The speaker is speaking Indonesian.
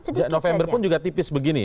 sejak november pun juga tipis begini